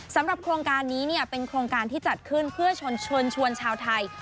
สำหรับโครงการนี้เป็นโครงการที่จัดขึ้นเพื่อชวนชวนชาวไทย